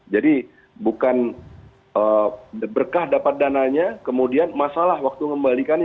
jadi bukan berkah dapat dananya kemudian masalah waktu membalikannya